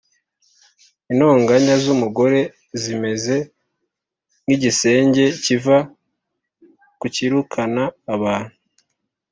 Intonganya z’umugore zimeze nk’igisenge kiva kikirukana abantu